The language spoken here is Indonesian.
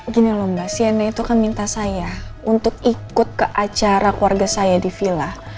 gini loh mbak siana itu akan minta saya untuk ikut ke acara keluarga saya di villa